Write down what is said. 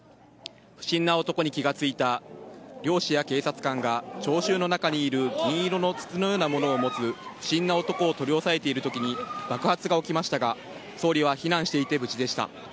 不審な男に気が付いた漁師や警察官が聴衆の中にいる銀色の筒のようなものを持つ不審な男を取り押さえているときに爆発が起きましたが総理は避難していて無事でした。